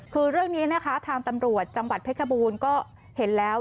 คือเรื่องนี้นะคะทางตำรวจจังหวัดเพชรบูรณ์ก็เห็นแล้ว